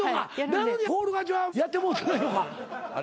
なのにフォール勝ちはやってもうてないのか。